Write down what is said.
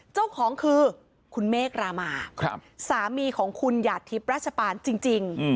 เจ้าของคือคุณเมฆรามาสามีของคุณหยาดทิพย์ราชปานจริง